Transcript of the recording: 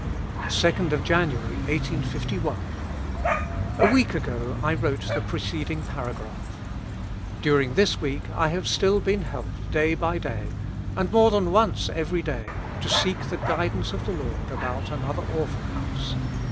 "■Jan. 2, 1851.— A week ago I wrote the preceding paragraph. During this week I have still been helped day by day, and more than once every day, to seek the guidance of the Lord about another Orphan House.